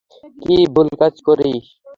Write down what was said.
কি ভুল কাজ করি?